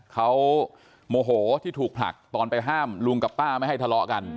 เขาโมโหที่ถูกผลักตอนไปห้ามลุงกับป้าไม่ให้ทะเลาะกัน